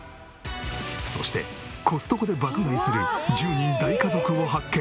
そしてコストコで爆買いする１０人大家族を発見！